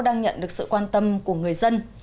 đang nhận được sự quan tâm của người dân